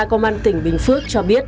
công an tỉnh bình phước cho biết